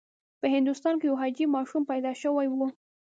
په هندوستان کې یو عجیب ماشوم پیدا شوی و.